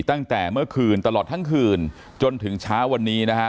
แม้เมื่อคืนตลอดทั้งคืนจนถึงเช้าวันนี้นะครับ